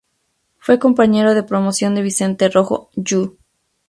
Fue compañero de promoción de Vicente Rojo Lluch.